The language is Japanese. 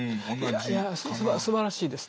いやいやすばらしいです。